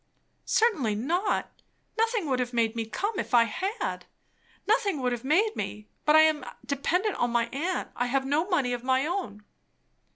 "Certainly not. Nothing would have made me come, if I had. Nothing would have made me! But I am dependent on my aunt. I have no money of my own."